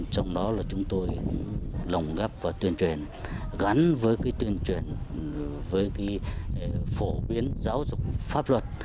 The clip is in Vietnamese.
trong đó là chúng tôi lòng gấp và tuyên truyền gắn với cái tuyên truyền với cái phổ biến giáo dục pháp luật